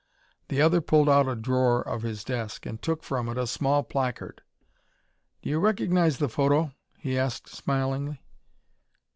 The other pulled out a drawer of his desk and took from it a small placard. "Do you recognize the photo?" he asked smilingly.